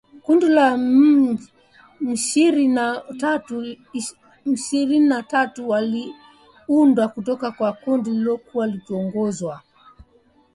Kundi la M ishirni na tatu, liliundwa kutoka kwa kundi lililokuwa likiongozwa na Jenerali Bosco Ntaganda